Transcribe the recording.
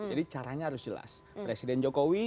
jadi caranya harus jelas presiden jokowi